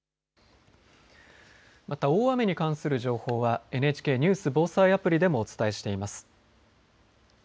大雨に関する情報はＮＨＫニュース・防災アプリでもお伝えしています。